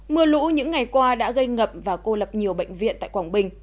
mưa lũ những ngày qua đã gây ngập và cô lập nhiều bệnh viện tại quảng bình